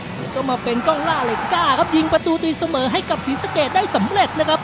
เดี๋ยวต้องมาเป็นกล้องล่าเหล็กก้าครับยิงประตูตีเสมอให้กับศรีสะเกดได้สำเร็จนะครับ